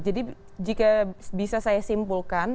jadi jika bisa saya simpulkan